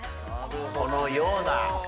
このような。